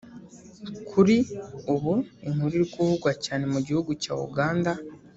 Kuri ubu inkuru iri kuvugwa cyane mu gihugu cya Uganda